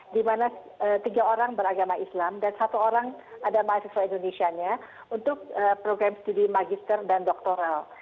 di mana tiga orang beragama islam dan satu orang ada mahasiswa indonesia nya untuk program studi magister dan doktoral